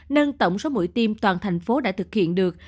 nâng tổng số mũi tiêm toàn thành phố đã thực hiện được